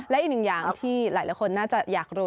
และอีกหนึ่งอย่างที่หลายคนน่าจะอยากรู้